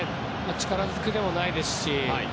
力ずくではないですし。